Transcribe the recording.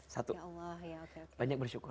satu banyak bersyukur